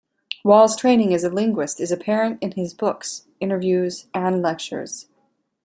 Wall's training as a linguist is apparent in his books, interviews, and lectures.